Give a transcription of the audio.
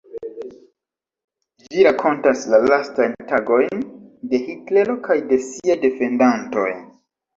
Ĝi rakontas la lastajn tagojn de Hitlero kaj de siaj defendantoj.